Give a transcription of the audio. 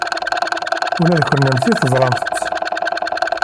Ula d kennemti teẓramt-t.